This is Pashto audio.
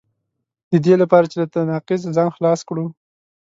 د دې لپاره چې له تناقضه ځان خلاص کړو.